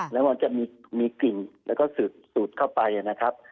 แล้วมันจะมีกลิ่นแล้วก็สูดเข้าไปนะครับ